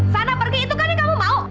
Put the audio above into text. sana pergi itu kan yang kamu mau